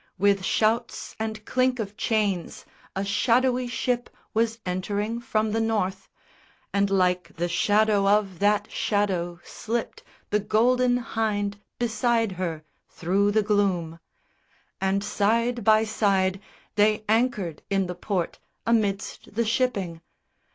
With shouts and clink of chains A shadowy ship was entering from the North, And like the shadow of that shadow slipped The Golden Hynde beside her thro' the gloom; And side by side they anchored in the port Amidst the shipping!